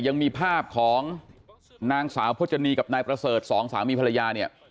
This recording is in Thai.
ยังมีภาพของนางสาวพจนีกับนายประเสริฐสองสามีภรรยาเนี่ย